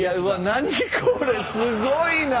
何これ⁉すごいなぁ。